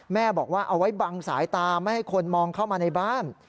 แม่บอกว่าเอาไว้บังสายตาไม่ให้คนมองเข้ามาในบ้าน